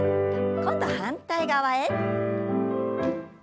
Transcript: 今度反対側へ。